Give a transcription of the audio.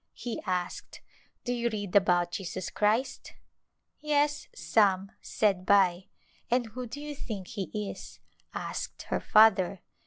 He asked, " Do you read about Jesus Christ ?"" Yes, some," said Bai. " And who do you think He is ?" asked her father.